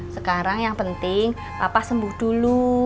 sekarang yang penting papa sembuh dulu